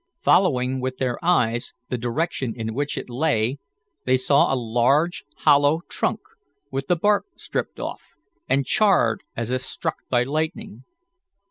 Following with their eyes the direction in which it lay, they saw a large, hollow trunk, with the bark stripped off, and charred as if struck by lightning.